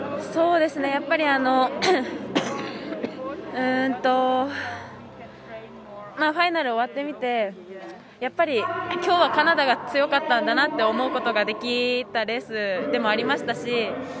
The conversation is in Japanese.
やっぱりファイナル終わってみてやっぱり今日はカナダが強かったんだなと思うことができたレースでもありましたし。